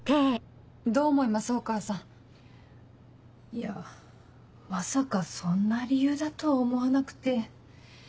いやまさかそんな理由だと思わなくて。